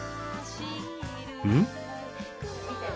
うん？